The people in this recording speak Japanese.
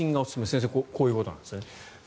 先生、こういうことなんですね。